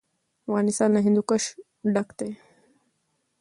افغانستان له هندوکش ډک دی.